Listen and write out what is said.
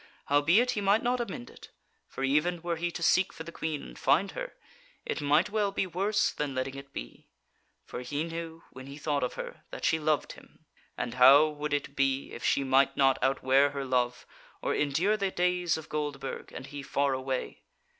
Howbeit he might not amend it: for even were he to seek for the Queen and find her, it might well be worse than letting it be. For he knew (when he thought of her) that she loved him, and how would it be if she might not outwear her love, or endure the days of Goldburg, and he far away?